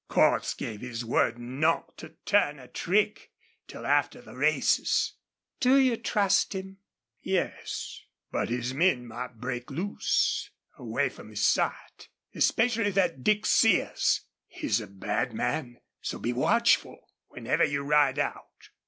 Cordts gave his word not to turn a trick till after the races." "Do you trust him?" "Yes. But his men might break loose, away from his sight. Especially thet Dick Sears. He's a bad man. So be watchful whenever you ride out."